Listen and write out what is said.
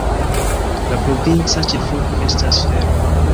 La provinca ĉefurbo estas Fermo.